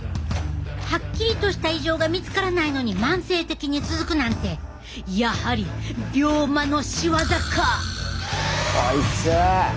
はっきりとした異常が見つからないのに慢性的に続くなんてやはり病魔の仕業か！